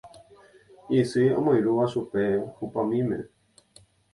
Isy omoirũva chupe hupamíme